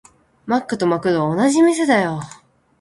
マックとマクドは同じ店だよ。